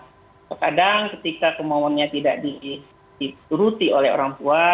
kadang kadang ketika kemauannya tidak diuruti oleh orang tua